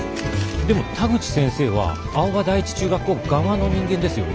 でも田口先生は青葉第一中学校側の人間ですよね。